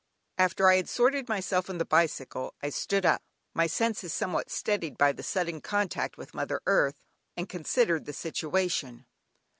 After I had sorted myself and the bicycle, I stood up, my senses somewhat steadied by the sudden contact with mother earth, and considered the situation.